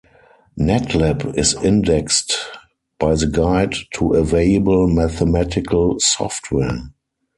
Netlib is indexed by the Guide to Available Mathematical Software.